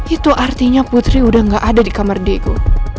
itu artinya putri udah gak ada di kamar diku